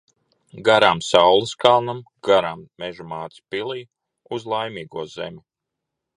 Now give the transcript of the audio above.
Garām saules kalnam, garām Meža mātes pilij. Uz Laimīgo zemi.